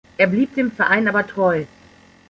Er blieb dem Verein aber treu.